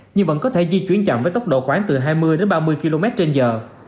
nhưng vẫn có thể di chuyển chậm với tốc độ khoảng từ hai mươi đến ba mươi km trên giờ